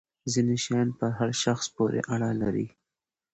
ځینې شیان پر هر شخص پورې اړه لري.